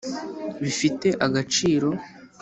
bifite agaciro.